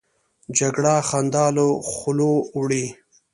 جګړه خندا له خولو وړي